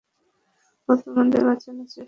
ও তোমাদের বাঁচানোর চেষ্টা করছিলো!